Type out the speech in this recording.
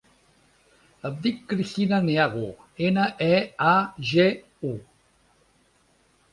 Em dic Cristina Neagu: ena, e, a, ge, u.